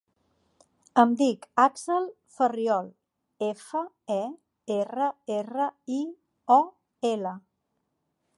Em dic Axel Ferriol: efa, e, erra, erra, i, o, ela.